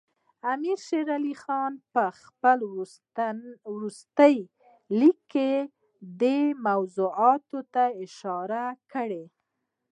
امیر شېر علي خان په خپل وروستي لیک کې دې موضوعاتو ته اشاره کړې.